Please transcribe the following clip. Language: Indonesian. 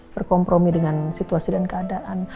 berkompromi dengan situasi dan keadaan